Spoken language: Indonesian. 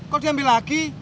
kok diambil lagi